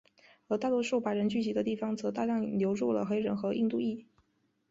而大多数白人聚居的地方则大量流入了黑人和印度裔。